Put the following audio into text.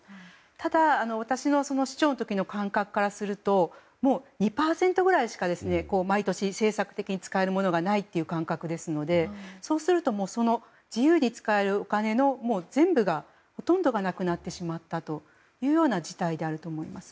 ただ、私の市長の時の感覚からすると２％くらいしか毎年、政策的に使えるものがないという感覚ですのでそうすると、自由に使えるお金のほとんどがなくなってしまったという事態だと思います。